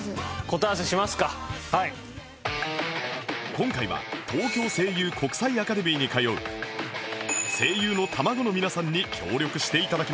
今回は東京声優・国際アカデミーに通う声優の卵の皆さんに協力して頂きました